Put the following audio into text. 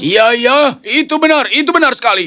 iya ya itu benar itu benar sekali